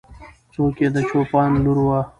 څوک یې د چوپان لور وه؟